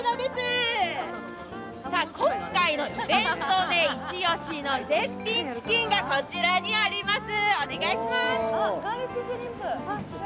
今回のイベントでイチ押しの絶品チキンがこちらにあります。